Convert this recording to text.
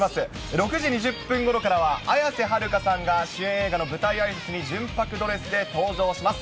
６時２０分ごろからは、綾瀬はるかさんが主演映画の舞台あいさつに、純白ドレスで登場します。